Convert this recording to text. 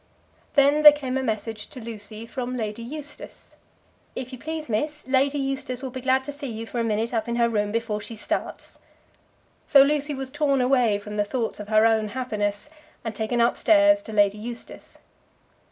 Then there came a message to Lucy from Lady Eustace. "If you please, miss, Lady Eustace will be glad to see you for a minute up in her room before she starts." So Lucy was torn away from the thoughts of her own happiness, and taken up stairs to Lady Eustace.